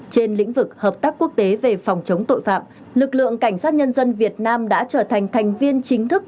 trên lĩnh vực hợp tác quốc tế về phòng chống tội phạm lực lượng cảnh sát nhân dân việt nam đã trở thành thành viên chính thức